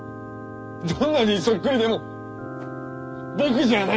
どんなにそっくりでも僕じゃあない。